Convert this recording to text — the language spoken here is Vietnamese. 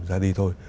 ra đi thôi